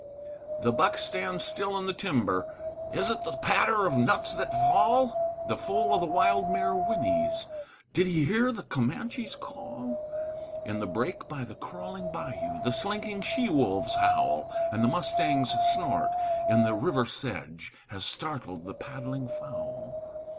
The buck stands still in the timber "Is't the patter of nuts that fall?" The foal of the wild mare whinnies "Did he hear the Comanche call?" In the brake by the crawling bayou The slinking she wolves howl, And the mustang's snort in the river sedge Has startled the paddling fowl.